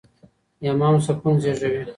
ایمان سکون زېږوي.